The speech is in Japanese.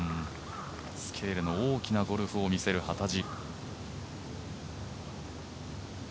スケールの大きなゴルフを見せる幡地。